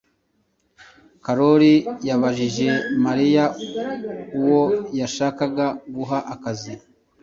Karori yabajije Mariya uwo yashakaga guha akazi.